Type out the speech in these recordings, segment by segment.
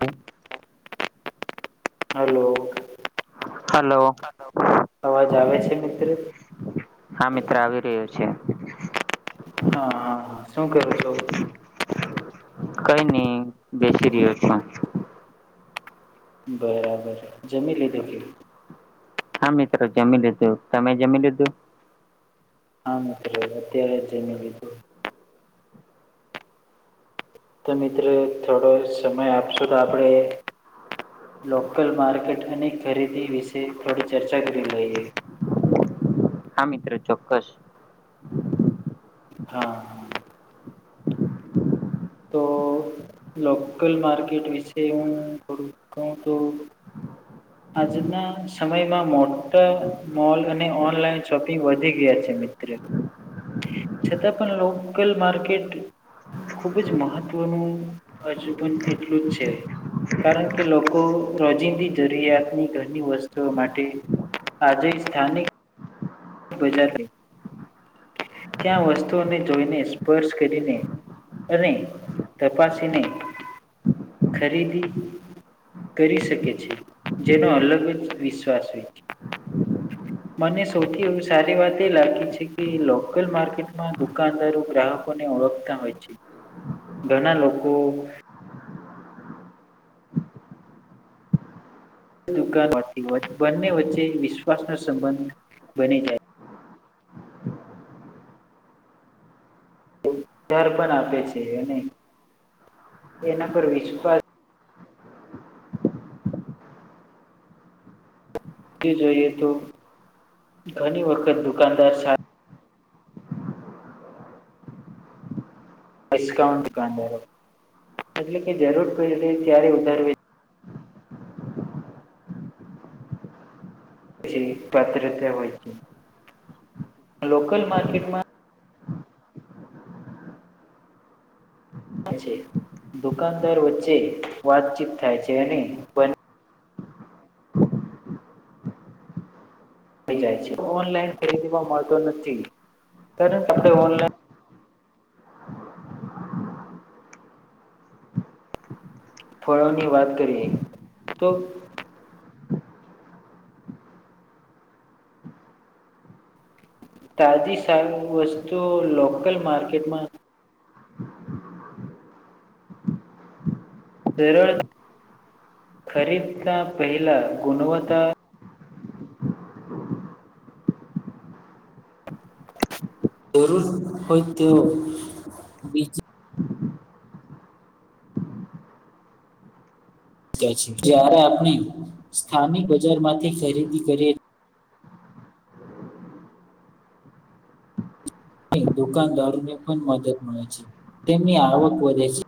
હું? Hello, hello અવાજ આવે છે મિત્ર? હા મિત્ર આવી રહ્યો છે. હા, શું કરો છો? કઈ ની બેસી રહ્યો છું. બરાબર, જમી લીધું કે? હા મિત્ર જમી લીધું, તમે જમી લીધું? હા મિત્ર. અત્યારે જ જમી લીધું. તો મિત્ર એ થોડો સમય આપશો તો આપડે લોકલ માર્કેટ અને ખરીદી વિશે થોડી ચર્ચા કરી લઈએ. હા મિત્ર, ચોક્કસ. હા. તો લોકલ માર્કેટ વિશે હું કઉ તો આજના સમયમાં મોટા મોલ અને ઓનલાઈન શોપિંગ વધી ગયા છે મિત્ર. છતાં પણ લોકલ માર્કેટ ખુબ જ મહત્વનું અજુ પણ એટલું જ છે. કારણ કે લોકો રોજિંદી જરૂ તની ઘણી વસ્તુઓ માટે આજે સ્થાનિક બજાર ત્યાં વસ્તુઓને જોઈને સ્પર્શ કરીને. અને તપાસીને ખરીદી કરી શકે છે જેનો અલગ જ વિશ્વાસ હોય છે. મને સૌથી. સારી વાત એ લાગી છે કે લોકલ માર્કેટમાં દુકાનદારો ગ્રાહકો ને ઓળખતા હોય છે. ઘના લોકો. દુકાન બંને વચ્ચે વિશ્વાસ ન સંબંધ બની જાય. ઉધાર પણ આપે છે અને એના પર વિશ્વાસ જોઈએ તો ઘણી વખત દુકાનદાર ડિસ્કાઉન્ટ કંધો એટલે કે જરૂર પ ત્યારે ઉધારવી. પાત્ર હોય છે લોકલ માર્કેટમાં દુકાનદાર વચ્ચે વાતચીત થાય છે અને બ. ઓનલાઇન ખરીદીમાં મળતું નથી તરત જ ઓનલાઇન. ફળોની વાત કરીએ તો. તાજી સારી વસ્તુઓ લોકલ માર્કેટમાં સરળતા ખરીદતા પહેલા ગુણવત્તા જરૂર હોય તે. જારે આપણે સ્થાનિક બજાર માંથી ખરીદી કરીએ. દુકાનદારોને પણ મદદ મળે છે તેમની આવક વધે છે.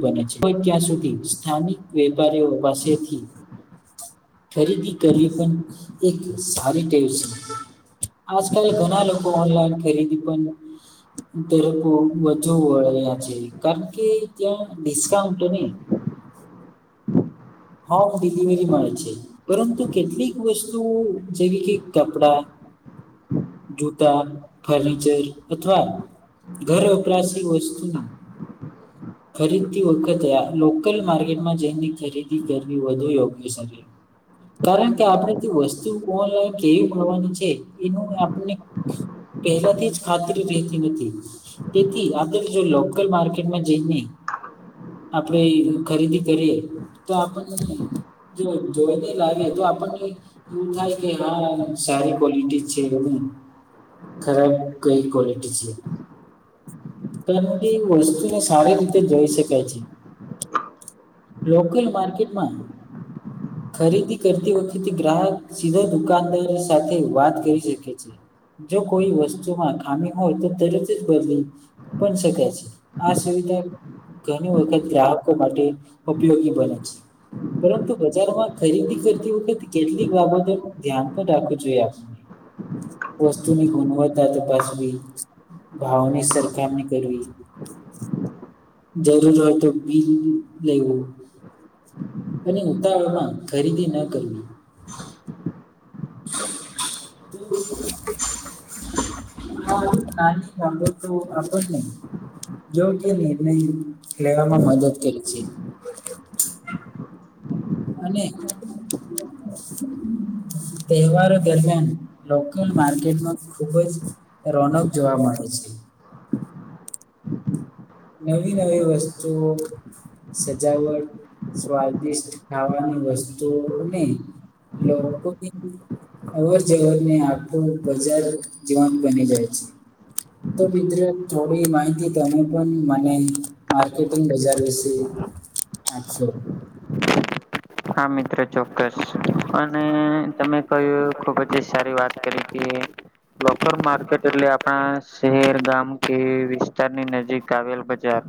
બને છે પણ ત્યાં સુધી સ્થાનિક વેપારીઓ પાસેથી ખરીદી કરવી પણ એક સારી ટેવ છે. આજકાલ ઘણા લોકો ઓનલાઈન ખરીદી પણ ત્યારે વધુ વળ્યા છે કારણ કે. ત્યાં ડિસ્કાઉન્ટન્ટ અને હાવ ડિલિવરી મા છે. પરંતુ કેટલીક વસ્તુ જેવી કે કપડા જૂતા ફર્નિચર અથવા ઘર વપરાશી વસ્તુની ખરીદતી વખતે લોકલ માર્કેટમાં જઈને ખરી કર વધુ યોગ્ય. કારણ કે આપણે જે વસ્તુ ઓનલાઈન કેવી મળવાની છે એનું આપને પહેલાથી જ ખાતરી રહેતી નથી. તેથી આપણે જો લોકલ માર્કેટમાં જઈને આપણેે ખરીદી કરીએ. તો આપણને જો જોઈ ન લાગે તો આપણને એવું થાય કે હા સારી ક્વોલિટી છે બધું. ખરાબ કઈ કોલેટી છે. પણી વસ્તુને સારી રીતે જોઈ શકાય છે. લોકલ માર્કેટમાં. ખરીદી કરતી વખતે ગ્રાહક સીધા દુકાનદાર સાથે વાત કરી શકે છે. જો કોઈ વસ્તુમાં ખામી હોય તો તરત જ બદલી પણ શકાય છે આ સુવિધા ઘણી વખત ગ્રાહકો માટે ઉપયોગી બને છે. પરંતુ બજારમાં ખરીદી કરતી વખતે કેટલીક બાબતોનું ધ્યાન પણ રાખવું જોઈએ આપ. હ [unintelligible] વસ્તુ ની ગુણવત્તા તપાસવી ભાવની સરખામણી કરવી. જરૂર હોય તો બીજ લેવુ અને ઉતાવડ માં ખરીદી ન કરવી. તો [inaudible] હા ના તો અ જ નહી જો કે નિર્ણય લેવામાં મદદ કરે છે. અને તહેવારો દરમિયાન લોકલ માર્કેટમાં ખુબ જ રોનક જોવા મળે છે. નવી નવી વસ્તુ સજાવટ સ્વાદિષ્ટ ખાવાની વસ્તુઓને લોકો હવે જવર ને આખું બજાર જીવન બની જાય છે. તો મિત્ર થોડી માહિતી તમે મનેકેટંગ બજાર વિશે આપો હા મિત્રો ચોક્કસ અને તમે કહ્યું ખુબ જ સારી વાત કરી કે લોકલ માર્કેટ એટલે આપણા શહેર ગામ કે વિસ્તારની નજીક આવેલ બજાર.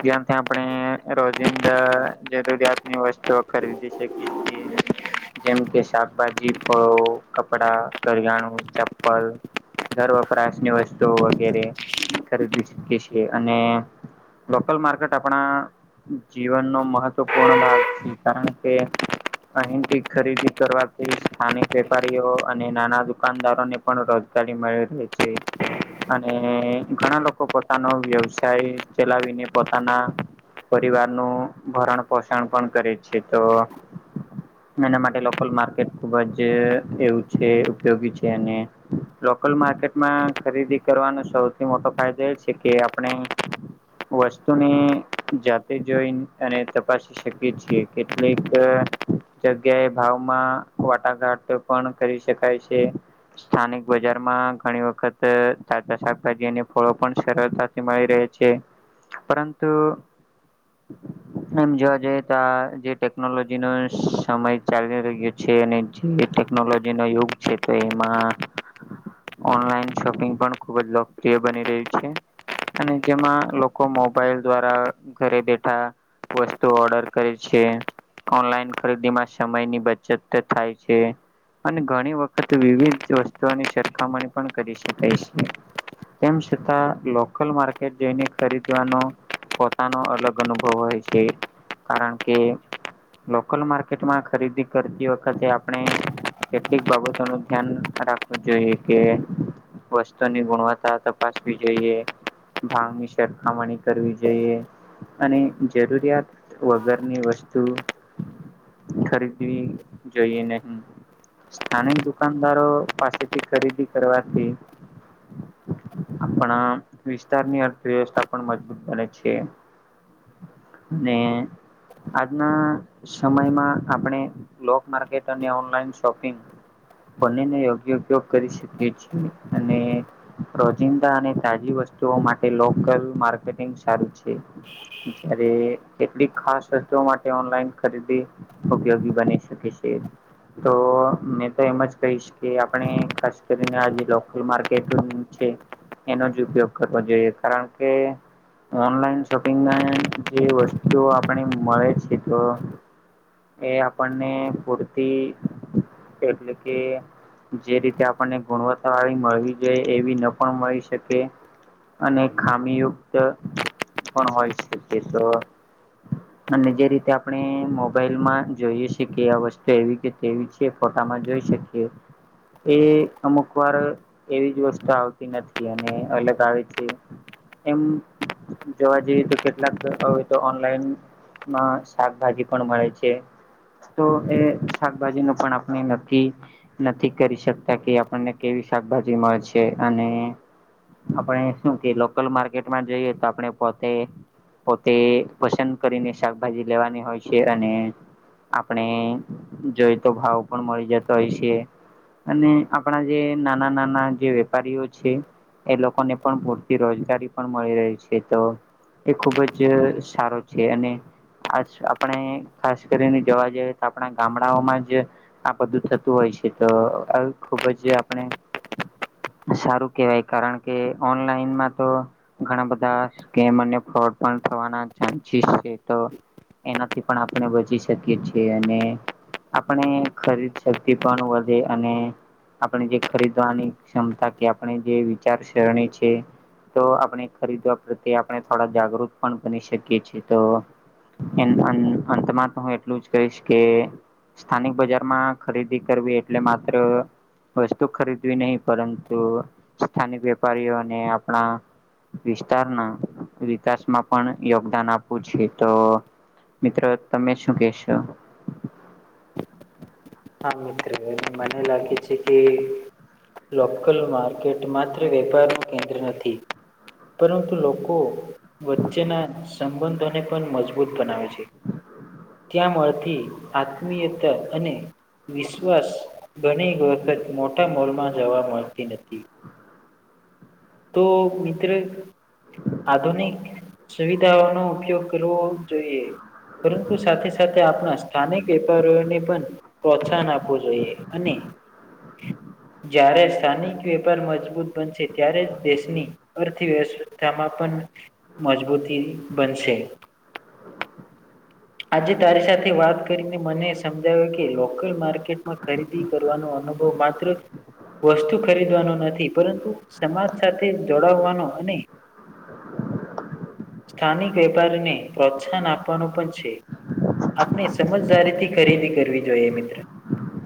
ત્યાંથી આપણે રોજિંદા જરૂરિયાત ની વસ્તુ ખરીદી શકે છે. જેમ કે શાકભાજી ફળો કપડા ઘરિયાાણું ચપ્પલ ઘર વપરાશની વસ્તુ વગેરે ખરીદી શકી છીએ અને લોકલ માર્કેટ આપણા જીવન નો મહત્વપૂર્ણ ભાગ છે. કારણ કે અહીથી ખરીદી કરવાથી સ્થાનિક વેપારીઓ અને નાના દુકાનદારોને પણ રોજગારી મળી રહી છે. અને ઘણા લોકો પોતાનો વ્યવસાય ચલાવીને પોતાના પરિવારનું ભરણ પોષણ પણ કરે છે, તો એના માટે લોકલ માર્કેટ ખુબ જ એવું છે ઉપયોગી છે, અને લોકલ માર્કેટમાં ખરીદી કરવાનો સૌથી મોટો ફાયદો એ છે કે આપણે વસ્તુને જાતે જોઈ અને તપાસી શકીએ છીએ. કેટલીક જગ્યાએ ભાવમાં વાટાઘાટ પણ કરી શકાય છે. સ્થાનિક બજારમાં ઘણી વખત તાજા શાકભાજી ફળો પણ સરળ મળ રહે છે પરંતુ એમ જોવા જઈએ ત જે ટેકનોલોજીનો સમય ચાલી રહ્યો છે અને જે ટેકનોલોજીનો યુગ છે. તે એમાં ઓનલાઈન શોપિંગ પણ ખુબ જ લોકપ્રિય બની રહ્યું છે. અને જેમાં લોકો મોબાઈલ દ્વારા ઘરે બેઠા વસ્તુ ઓર્ડર કરીે ઓનલાઈન ખરીદીમાં સમય ની બચત થાય છે. અને ઘણી વખત વિવિધ વસ્તુઓની સરખામણી પણ કરી શકાય છે. તેમ છતાં લોકલ માર્કેટ જઈને ખરીદવાનો પોતાનો અલગ અનુભવ હોય છે, કારણ કે લોકલ માર્કેટમાં ખરીદી કરતી વખતે આપણે કેટલીક બાબતો નું ધ્યાન રાખવું જોઈએ, કે વસ્તુની ગુણવત્તા તપાસવી જોઈએ. ભંગની સરખામણી કરવી જોઈએ અને જરૂરિયાત વગર. વસ્તુ ખરીદવી જોઈએ નહી. સ્થાનિક દુકાનદારો પાસેથી ખરીદી કરવાથી આપણા વિસ્તારની અર્થવ્યવસ્થા પણ મજબૂત બને છે. અનેને આજના સમયમાં આપણે લોક માર્કેટ અને ઓનલાઈન શોપિંગ. બનેને યોગ્ય ઉપયોગ કરી શકીએ છીએ. અને રોજિંદા અને તાજી વસ્તુઓ માટે લોકલ માર્કેટિંગ સારું છે. જ્યારે એલી ખાસ. માટે ઓનલાઈન ખરીદી ઉપયોગી બની શકે છે. તો મેં તો એમ જ કહીશ કે આપણે ખાસ કરીને આજ લોકલ માર્કેટ છે. એનો જ ઉપયોગ કરવો જોઈએ કારણ કે ઓનલાઈન શોપિંગમાં જે વસ્તુઓ આપને મળે છે તો એ આપણને પૂરતી એટલે કે જે રીતે આપણને ગુણવત્તા વાળી મળવી જોઈએ એવી ન પણ મળી શકે. અને ખામીયુક્ત પણ હોય શકે તો અને જે રીતે આપણે મોબાઈલ માં જોઈએ છેએ કે આ વસ્તુ એવી કે તેવી છે ફોટામાં જોઈ શકીએ એ અમુક વાર એવી જ વસ્તુ આવતી નથી અને અલગ આવે છે. એમ જોવા જઈએ તો કેટલાક હવે તો ઓનલાઈન માં શાકભાજી પણ મળે છે. તો એ શાકભાજી નું પણ આપણે નક્કી નથી કરી શકતા કે આપણને કેવી શાકભાજી મળે છે અને આપણે શું કે લોકલ માર્કેટમાં જોઈએ તો આપણે પોતે પોતે પસંદ કરીને શાકભાજી લેવાની હોય છે અને આપણે જોઈ તો ભાવ પણ મળી જતા હોય છે અને આપણા જે નાના નાના જે વેપારીઓ છે. એ લોકોને પણ પૂરતી રોજગારી પણ મળી રહી છે તો એ ખુબ જ સારો છે અને આ આપણે ખાસ કરીને જોવા જઈએ તો આપણા ગામડાઓમાં જ આ બધું થતું હોય છે તો ખુબ જ આપણે સારું કેવાય કારણ કે ઓનલાઈનમાં તો ઘણા બધાના ચ છે એનાથી પણ આપણે બચી શકીએ છીએ અને આપણે ખરીદ શક્તિ પણ વધે અને આપણે જે ખરીદવાની ક્ષમતા કે આપણે જે વિચારસરણી છે તો આપણે ખરીદવા પ્રત્યે આપણે થોડા જાગૃત પણ બની શકીએ તો અંતમાં તો હું એટલું જ કહીશ કે સ્થાનિક બજારમાં ખરીદી કરવી એટલે માત્ર વસ્તુ ખરીદવી નહીિ પરંતુ સ્થાનિક વેપારીઓને આપણા વિસ્તારના વિકાસમાં પણ યોગ આપ તો મિત્રો તમે શું કેશો હા મિત્ર મને લાગે છે કે લોકલ માર્કેટ માત્ર વેપાર ન કેન્દ્ર નથી પરંતુ લોકો વચ્ચેના સંબંધોને પણ મજબૂત બનાવે છે ત્યાં મળથી આત્મીયતા અને વિશ્વાસ ઘણી વખત મોટા મોલમાં જવા મળતી નથી તો મિત્ર આધુનિક સુવિધાઓનોો ઉપયોગ કરવો જોઈએ પરંતુ સાથે સાથે આપણા સ્થાનિક વેપારીઓને પણ પ્રોત્સાહન આપવું જોઈએ અને જ્યારે સ્થાનિક વેપાર મજબૂત બનશે ત્યારે દેશની અર્થવ્યવસ્થામાં પણ મજબૂતી બનશે આજે તારી સાથે વાત કરીને મને સમજાવ્યો કે લોકલ માર્કેટમાં ખરીદી કરવાનો અનુભવ માત્ર વસ્તુ ખરીદવાનો નથી, પરંતુ સમાજ સાથે જોડાવવાનો અને સ્થાનિક વેપારીને પ્રોત્સાહન આપવાનું પણ છે. આપણે સમજદારી થી ખરીદી કરવી જોઈએ મિત્ર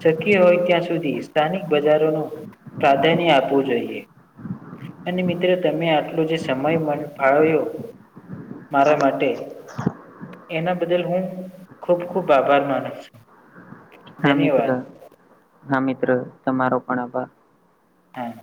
શક્ય હોય ત્યાં સુધી સ્થાનિક બજારોનું પ્રાધાન્ય આપવું જોઈએ અને મિત્રો તમે આટલો જે સમય મન ફાળવ્યો મારા માટે એના બદલ હું ખુબ ખુબ આભાર માનું છું. હા મિત્ર, ધન્યવાદ હા મિત્ર, તમારો પણ આભાર. હા.